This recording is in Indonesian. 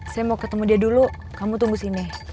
saya mau ketemu dia dulu kamu tunggu sini